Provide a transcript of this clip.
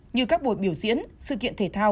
như các buổi biểu diễn sự kiện thể thao